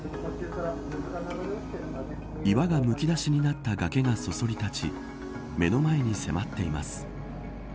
岩がむき出しになった崖がそそり立ち目の前に迫っています。